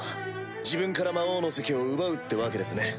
自分から魔王の席を奪うってわけですね。